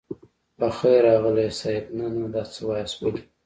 په خير راغلئ صيب نه نه دا څه واياست ولې.